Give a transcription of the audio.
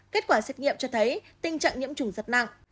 kết quả xét nghiệm cho thấy tình trạng nhiễm chủng rất nặng